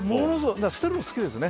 捨てるの好きですよね。